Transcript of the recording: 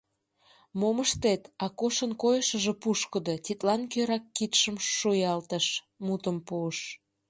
Мом ыштет, Акошын койышыжо пушкыдо, тидлан кӧрак кидшым шуялтыш, мутым пуыш.